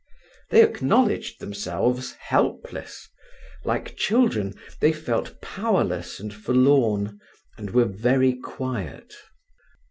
They acknowledged themselves helpless; like children, they felt powerless and forlorn, and were very quiet.